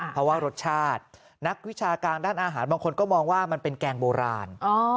เพราะว่ารสชาตินักวิชาการด้านอาหารบางคนก็มองว่ามันเป็นแกงโบราณ